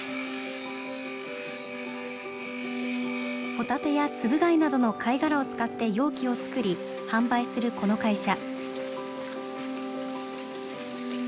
ホタテやつぶ貝などの貝殻を使って容器を作り販売するこの会社。